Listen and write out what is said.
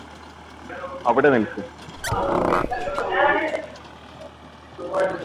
അവിടെ നില്ക്ക്